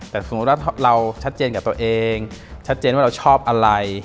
แต่สมมุติว่าเราชัดเจนกับตัวเองชัดเจนว่าเราชอบอะไร